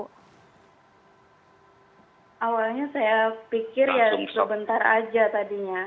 awalnya saya pikir ya sebentar aja tadinya